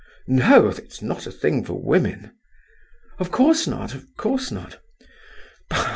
"No, it's not a thing for women." "Of course not—of course not!—bah!